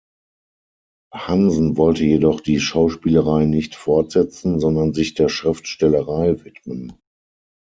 Hansen wollte jedoch die Schauspielerei nicht fortsetzen, sondern sich der Schriftstellerei widmen.